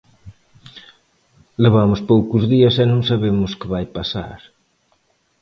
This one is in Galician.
Levamos poucos días e non sabemos que vai pasar.